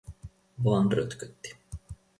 Vaan rötkötti.